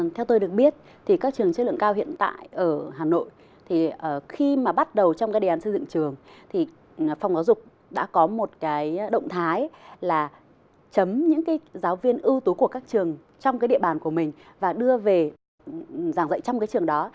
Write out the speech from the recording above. theo tôi được biết thì các trường chất lượng cao hiện tại ở hà nội thì khi mà bắt đầu trong cái đề án xây dựng trường thì phòng giáo dục đã có một cái động thái là chấm những cái giáo viên ưu tú của các trường trong cái địa bàn của mình và đưa về giảng dạy trong cái trường đó